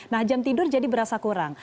nah jam tidur jadi berasa kurang